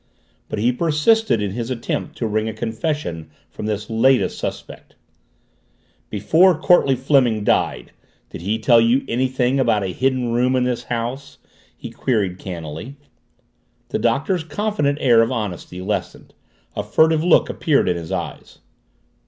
But he persisted in his attempt to wring a confession from this latest suspect. "Before Courtleigh Fleming died did he tell you anything about a Hidden Room in this house?" he queried cannily. The Doctor's confident air of honesty lessened, a furtive look appeared in his eyes.